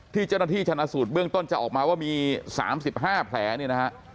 ที่เจ้าหน้าที่ชนะสูตรเบื้องต้นจะออกมาว่ามี๓๕แผลเนี่ยนะฮะ